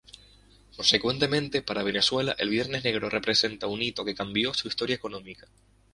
Consecuentemente, para Venezuela, el Viernes Negro representa un hito que cambió su historia económica.